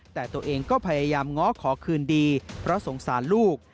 แต่ตัวเองก็พยายามง้อขอคืนดีเพราะสงสารลูก